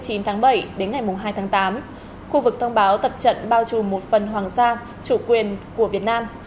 từ ngày hai mươi chín tháng bảy đến ngày hai tháng tám khu vực thông báo tập trận bao trù một phần hoàng sa chủ quyền của việt nam